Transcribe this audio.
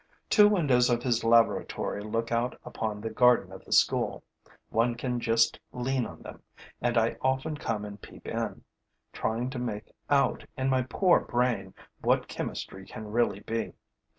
Two windows of his laboratory look out upon the garden of the school. One can just lean on them; and I often come and peep in, trying to make out, in my poor brain, what chemistry can really be.